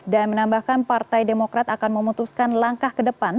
dan menambahkan partai demokrat akan memutuskan langkah ke depan